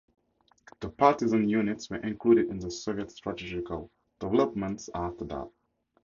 The partisan units were included in the Soviet strategical developments after that.